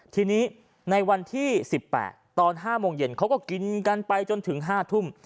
ทีนี้ในวันที่๑๘ตอน๕โมงเย็นเขาก็กินกันไปจนถึง๕ทุ่ม